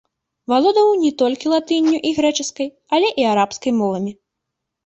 Валодаў не толькі латынню і грэчаскай, але і арабскай мовамі.